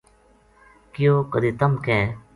کہیو کَدے تَم کہہ